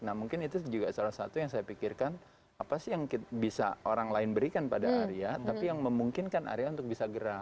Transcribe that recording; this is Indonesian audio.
nah mungkin itu juga salah satu yang saya pikirkan apa sih yang bisa orang lain berikan pada area tapi yang memungkinkan arya untuk bisa gerak